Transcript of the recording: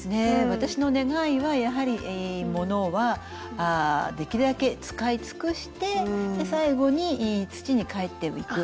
私の願いはやはりものはできるだけ使い尽くして最後に土に返っていく。